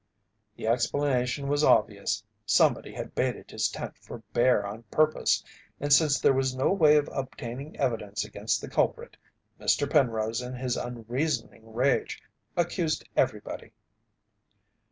The explanation was obvious, someone had baited his tent for bear on purpose, and, since there was no way of obtaining evidence against the culprit, Mr. Penrose in his unreasoning rage accused everybody.